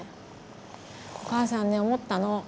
お母さんね思ったの。